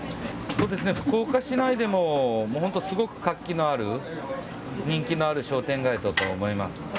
そうですね、福岡市内でも本当、すごく活気のある、人気のある商店街だと思います。